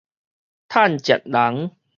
趁食人